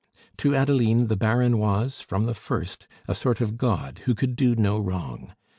To Adeline the Baron was from the first a sort of god who could do no wrong.